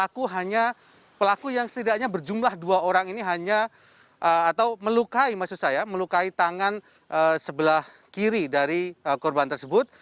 karena pelaku yang setidaknya berjumlah dua orang ini hanya atau melukai tangan sebelah kiri dari korban tersebut